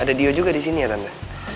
ada dio juga disini ya tante